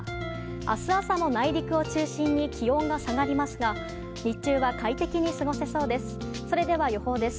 明日朝も内陸を中心に気温が下がりますが日中は快適に過ごせそうです。